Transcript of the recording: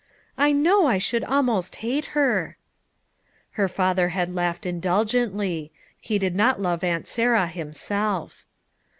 "I know I should almost hate her." Her father had laughed indulgently; he did not love Aunt Sarah himself.